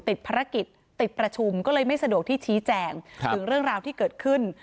ติดภารกิจติดประชุมก็เลยไม่สะดวกที่ชี้แจงถึงเรื่องราวที่เกิดขึ้น